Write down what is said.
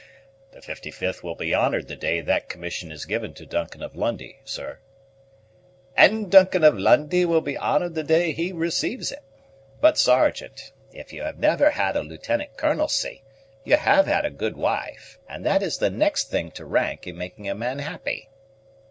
"The 55th will be honored the day that commission is given to Duncan of Lundie, sir." "And Duncan of Lundie will be honored the day he receives it. But, Sergeant, if you have never had a lieutenant colonelcy, you have had a good wife, and that is the next thing to rank in making a man happy."